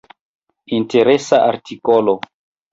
Interesa artikolo.